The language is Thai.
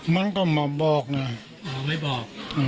มันก็มาบอกเลยอ๋อไม่บอก